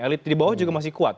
elit di bawah juga masih kuat